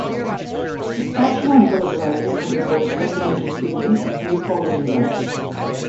The Saskatchewan Bill of Rights covered both fundamental freedoms and equality rights.